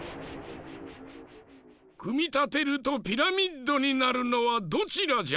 くみたてるとピラミッドになるのはどちらじゃ？